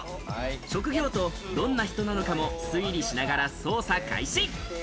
職業とどんな人なのかも推理しながら捜査開始。